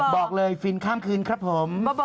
บอกเลยฟินข้ามคืนครับผม